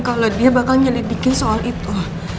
kalau dia bakal menyelidiki soal itu